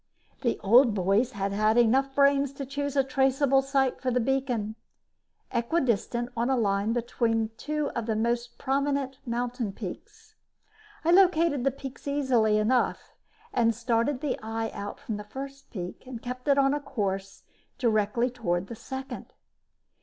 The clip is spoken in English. The old boys had enough brains to choose a traceable site for the beacon, equidistant on a line between two of the most prominent mountain peaks. I located the peaks easily enough and started the eye out from the first peak and kept it on a course directly toward the second.